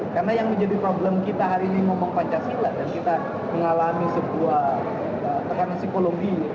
karena yang menjadi problem kita hari ini ngomong pancasila dan kita mengalami sebuah tekanan psikologi